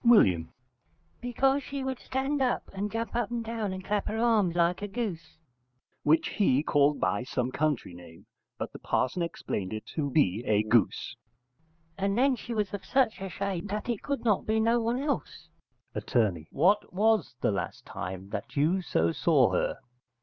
W. Because she would stand and jump up and down and clap her arms like a goose [which he called by some country name: but the parson explained it to be a goose]. And then she was of such a shape that it could not be no one else. Att. What was the last time that you so saw her?